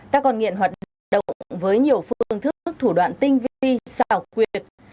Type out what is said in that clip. các con nghiện hoạt động với nhiều phương thức thủ đoạn tinh vi xảo quyệt